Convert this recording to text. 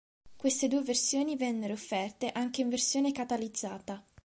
Queste due versioni vennero offerte anche in versione catalizzata.